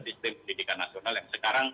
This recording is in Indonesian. sistem pendidikan nasional yang sekarang